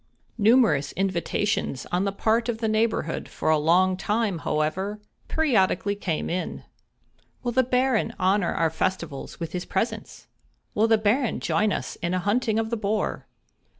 Numerous invitations on the part of the neighborhood for a long time, however, periodically came in. "Will the Baron honor our festivals with his presence?" "Will the Baron join us in a hunting of the boar?"